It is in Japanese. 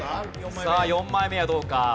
さあ４枚目はどうか？